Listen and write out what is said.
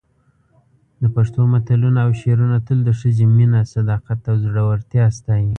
د پښتو متلونه او شعرونه تل د ښځې مینه، صداقت او زړورتیا ستایي.